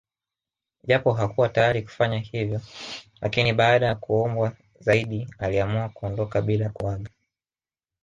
Japo hakuwa tayari kufanya hivyo lakini baada ya kuombwa zaidi aliamua kuondoka bila kuaga